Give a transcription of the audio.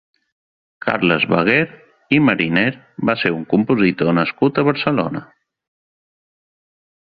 Carles Baguer i Mariner va ser un compositor nascut a Barcelona.